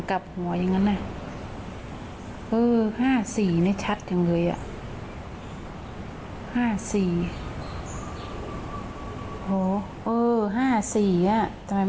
คุณชี้อะไร